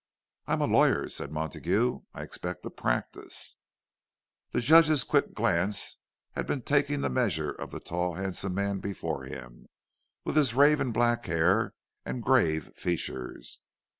"I am a lawyer," said Montague. "I expect to practise." The Judge's quick glance had been taking the measure of the tall, handsome man before him, with his raven black hair and grave features.